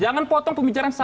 jangan potong pembicaraan saya